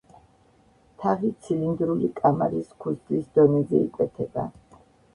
თაღი ცილინდრული კამარის ქუსლის დონეზე იკვეთება.